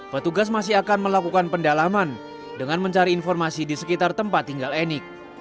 petugas masih akan melakukan pendalaman dengan mencari informasi di sekitar tempat tinggal enik